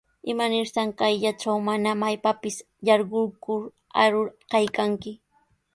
¿Imanirtaq kayllatraw mana maypapis yarqukur arur kaykanki?